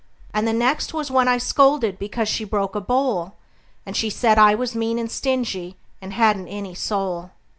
And the next was when I scolded because she broke a bowl; And she said I was mean and stingy, and hadn't any soul.